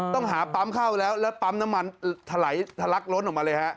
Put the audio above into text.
ต้องหาปั๊มเข้าแล้วแล้วปั๊มน้ำมันถลายทะลักล้นออกมาเลยฮะ